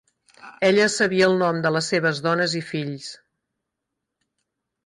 Ella sabia el nom de les seves dones i fills.